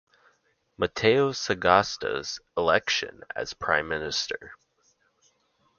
Mateo Sagasta's election as Prime Minister.